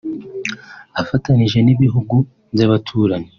afatanije n’ibihugu by’abaturanyi